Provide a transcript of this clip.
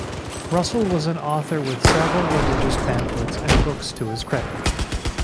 Russel was an author with several religious pamphlets and books to his credit.